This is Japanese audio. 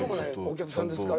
お客さんですよ。